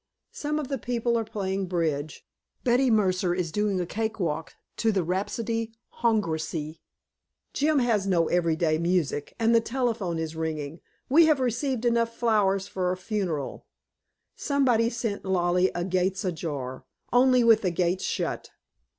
Some of the people are playing bridge, Betty Mercer is doing a cake walk to the RHAPSODIE HONGROISE Jim has no every day music and the telephone is ringing. We have received enough flowers for a funeral somebody sent Lollie a Gates Ajar, only with the gates shut.